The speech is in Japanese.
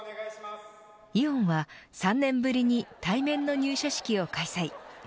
イオンは３年ぶりに対面の入社式を開催。